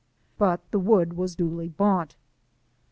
But the wood was duly bought.